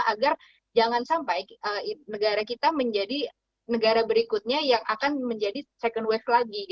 agar jangan sampai negara kita menjadi negara berikutnya yang akan menjadi second wave lagi